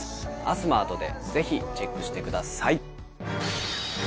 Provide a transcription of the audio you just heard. ＳＭＡＲＴでぜひチェックしてください。